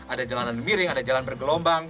ada jalanan miring ada jalan bergelombang